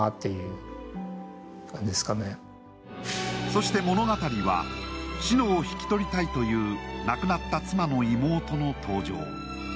そして物語は志乃を引き取りたいという亡くなった妻の妹の登場。